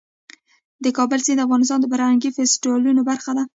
د کابل سیند د افغانستان د فرهنګي فستیوالونو برخه ده.